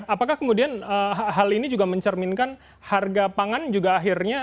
apakah kemudian hal ini juga mencerminkan harga pangan juga akhirnya